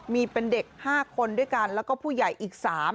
มีเป็นเด็ก๕คนด้วยกันแล้วก็ผู้ใหญ่อีก๓